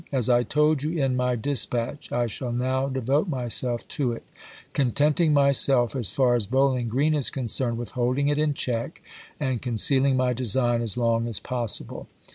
"As I told you in my dis patch, I shaU now devote myself to it, contenting myself, as far as BowUng Green is concerned, with holding it in check and concealing my design as long as possible."